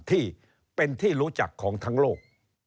ที่เป็นที่รู้จักของทั้งโลก